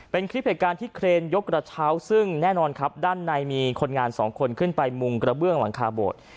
เป็นคลิปเหตุการณ์ที่เครนยกกระเช้าซึ่งแน่นอนครับด้านในมีคนงานสองคนขึ้นไปมุงกระเบื้องหลังคาโบสถ์